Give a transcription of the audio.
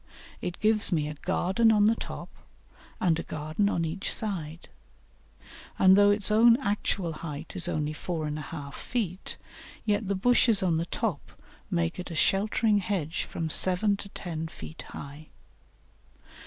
It gives me a garden on the top and a garden on each side, and though its own actual height is only 4 1/2 feet, yet the bushes on the top make it a sheltering hedge from seven to ten feet high.